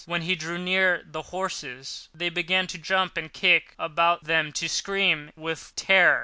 When he drew near the horses, they began to jump and kick about, then to scream with terror.